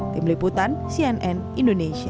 tim liputan cnn indonesia